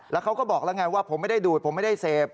แล้วเขาก็บอกแล้วไงว่าผมไม่ได้ดูดผมไม่ได้เสพ